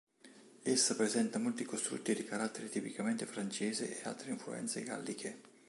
Essa presenta molti costrutti di carattere tipicamente francese e altre influenze galliche.